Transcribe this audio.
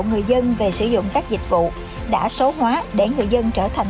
người dân về sử dụng các dịch vụ đã số hóa để người dân trở thành